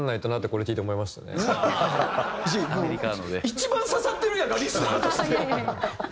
一番刺さってるやんかリスナーとして。